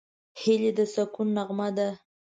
هیلۍ د سکون نغمه ده